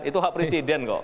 itu hak presiden kok